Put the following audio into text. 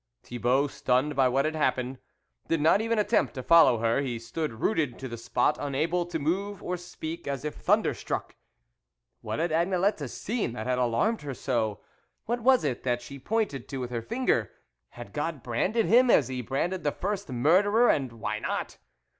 Thibault, stunned by what had hap pened, did not even attempt to follow THE WOLF LEADER 39 her ; he stood rooted to the spot, unable to move or speak, as if thunderstruck. What had Agnelette seen that had alarmed her so ? What was it that she pointed to with her finger ? Had God branded him, as He branded the first murderer ? And why not